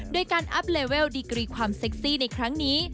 โดยการอัพเลเวลดีกรีความเซ็กซี่ในครั้งนี้